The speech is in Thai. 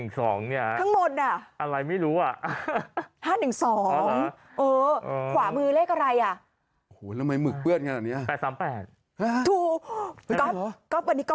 ก็ให้กรอบเล็กเคลื่อนอ่ะวันนี้